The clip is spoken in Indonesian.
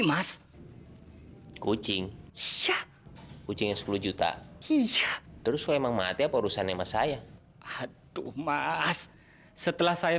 mas kucing siap kucing sepuluh juta iya terus memang mati apa urusan emas saya haduh mas setelah saya